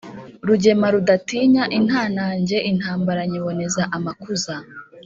Rugema rudatinya intanage intambara nyiboneza amakuza